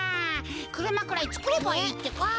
くるまくらいつくればいいってか。